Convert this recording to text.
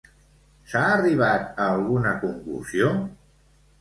S'ha arribat a alguna conclusió?